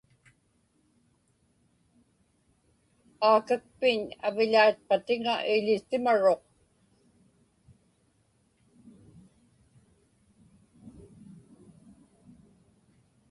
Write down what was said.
Aakakpiñ avilaitqatiŋa iḷisimaruq.